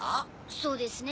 そうですね